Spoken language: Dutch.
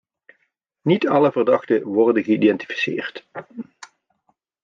Niet alle verdachten worden geïdentificeerd.